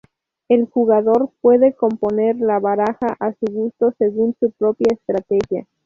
El jugador puede componer la baraja a su gusto según su propia estrategia.